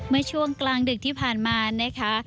เมื่อช่วงกลางดึกที่ผ่านมานะคะ